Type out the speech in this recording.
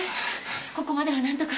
ここまではなんとか。